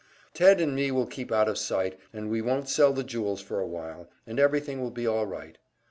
Ted and me will keep out of sight, and we won't sell the jewels for a while, and everything will be all right.